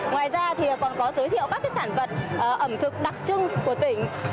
ngoài ra thì còn có giới thiệu các sản vật ẩm thực đặc trưng của tỉnh